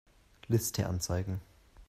Liste anzeigen.